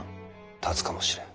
立つかもしれん。